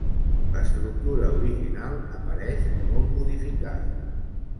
L'estructura original apareix molt modificada.